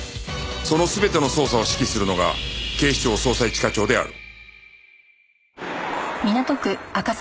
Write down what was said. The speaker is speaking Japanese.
その全ての捜査を指揮するのが警視庁捜査一課長である